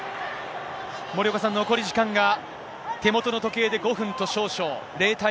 森岡さん、残り時間が手元の時計で５分と少々。